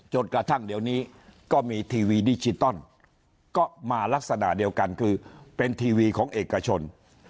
จนกระทั่งเดี๋ยวนี้ก็มีทีวีดิจิตอลก็มาลักษณะเดียวกันคือเป็นทีวีของเอกชน